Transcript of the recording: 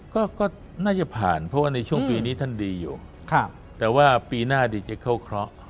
ก็ก็น่าจะผ่านเพราะว่าในช่วงปีนี้ท่านดีอยู่แต่ว่าปีหน้าดีจะเข้าเคราะห์